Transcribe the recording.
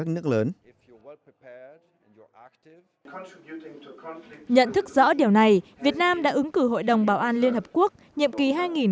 nhận thức rõ điều này việt nam đã ứng cử hội đồng bảo an liên hợp quốc nhiệm kỳ hai nghìn hai mươi hai nghìn hai mươi một